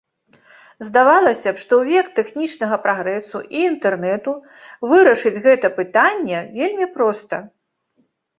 Здавалася б, што ў век тэхнічнага прагрэсу і інтэрнэту вырашыць гэта пытанне вельмі проста.